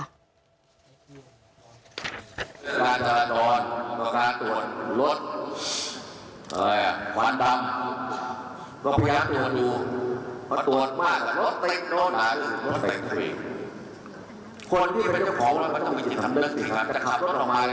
โดยแก้หมดอ่ะตัวจากอู่มาต่อวิทยาลัยถ้าจะเป็นอยู่ถ้าเจอตรงนั้นต่อตรงนั้นไปหาคนรถตะเลาะเองถ้าทุกคนต้องการของเทพฯหวัดไหมผมจะถามให้